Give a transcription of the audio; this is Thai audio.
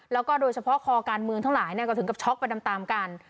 แล้วก็โดยเฉพาะคอการเมืองทั้งหลายก็ถึงกับช็อกไปตามกัน